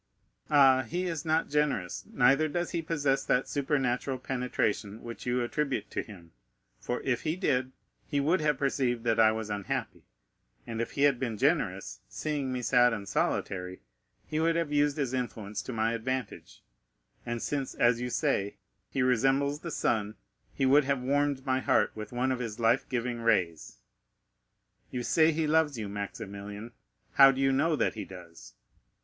Ah, he is not generous, neither does he possess that supernatural penetration which you attribute to him, for if he did, he would have perceived that I was unhappy; and if he had been generous, seeing me sad and solitary, he would have used his influence to my advantage, and since, as you say, he resembles the sun, he would have warmed my heart with one of his life giving rays. You say he loves you, Maximilian; how do you know that he does?